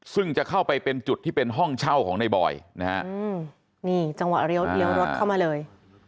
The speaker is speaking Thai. ซึ่งจะเข้าไปเป็นจุดที่เป็นห้องเช่าของในบอยนะฮะนี่จังหวะเลี้ยวรถเข้ามาเลย